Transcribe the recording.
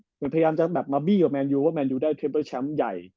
คือมันพยายามจะมาบีกับแมนยูว่าแมนยูวได้เทมตัวแชมป์ใหญ่